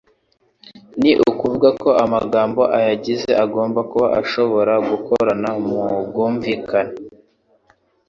Ni ukuvuga ko amagambo ayigize agomba kuba ashobora gukorana mu ubwumvikane.